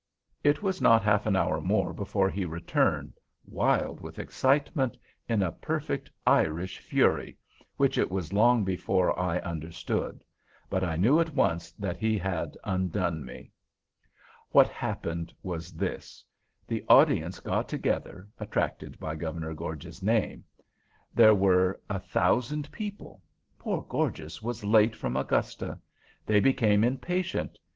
It was not half an hour more before he returned, wild with excitement—in a perfect Irish fury—which it was long before I understood. But I knew at once that he had undone me! What happened was this: The audience got together, attracted by Governor Gorges's name. There were a thousand people. Poor Gorges was late from Augusta. They became impatient.